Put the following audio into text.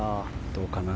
どうかな？